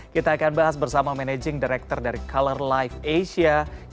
kita akan bahas bersama managing director dari color life asia